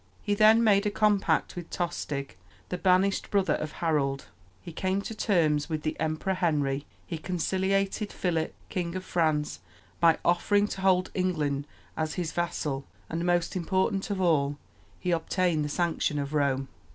He then made a compact with Tostig, the banished brother of Harold; he came to terms with the Emperor Henry; he conciliated Philip, King of France, by offering to hold England as his vassal; and most important of all he obtained the sanction of Rome.